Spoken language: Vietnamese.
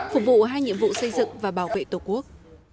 phục vụ hai nhiệm vụ xây dựng và bảo vệ tổ quốc